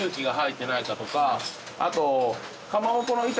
あと。